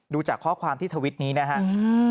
ดูจากข้อความที่ทวิตนี้นะครับ